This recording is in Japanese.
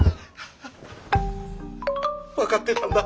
分かってたんだ